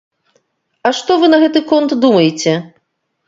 А што вы на гэты конт думаеце?